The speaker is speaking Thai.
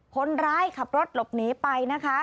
คนร้ายขับรถหลบหนีไปนะคะ